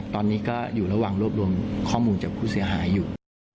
ตอนนี้ก็อยู่ระหว่างรวบรวมข้อมูลจากผู้เสียหายอยู่